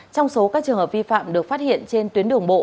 trong số các trường hợp vi phạm được phát hiện trên tuyến đường bộ